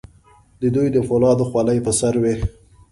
د دوی د فولادو خولۍ په سر وې.